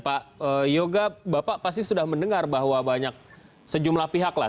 pak yoga bapak pasti sudah mendengar bahwa banyak sejumlah pihak lah